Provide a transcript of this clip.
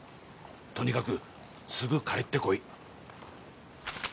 「とにかくすぐ帰ってこい」